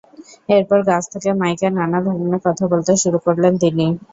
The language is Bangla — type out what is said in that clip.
এরপর গাছ নিয়ে মাইকে নানা ধরনের কথা বলতে শুরু করলেন তিনি।